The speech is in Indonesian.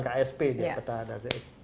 ksp peta ada